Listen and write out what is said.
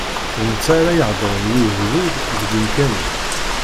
D netta ara iheddṛen i ugdud deg umkan-ik.